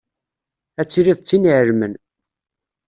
Ad tiliḍ d tin iεelmen.